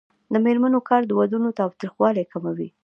د میرمنو کار د ودونو تاوتریخوالی کموي.